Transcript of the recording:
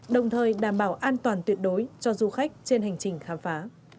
đồng thời đảm bảo an toàn tuyệt đối cho du khách trên hành trình khám phá